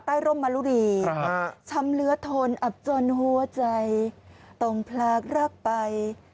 ร่มมะลุรีช้ำเหลือทนอับจนหัวใจต้องพลากรักไป